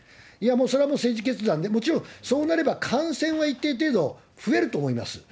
いや、もうそれは政治決断で、もちろんそうなれば感染は一定程度増えると思います。